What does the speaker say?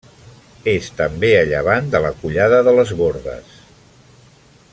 És també a llevant de la Collada de les Bordes.